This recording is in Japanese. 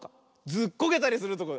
ずっこけたりするとこ。